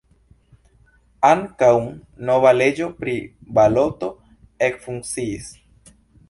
Ankaŭ nova leĝo pri baloto ekfunkciis.